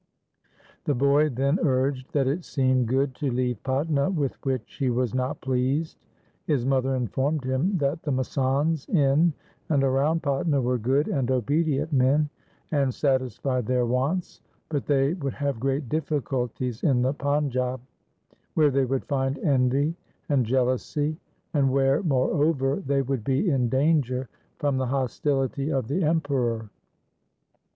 The boy then urged that it seemed good to leave Patna with which he was not pleased. His mother informed him that the masands in and around Patna were good and obedient men, and satisfied their wants, but they would have great difficulties in the Panjab where they would find envy and jealousy, and where, moreover, they would be in danger from the hostility of the Emperor.